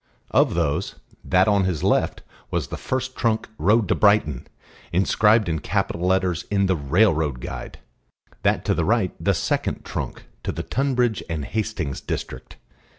Of those, that on his left was the First Trunk road to Brighton, inscribed in capital letters in the Railroad Guide, that to the right the Second Trunk to the Tunbridge and Hastings district.